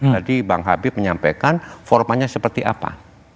tadi bang habib menyampaikan formanya seperti apa